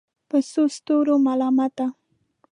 په څو ستورو ملامته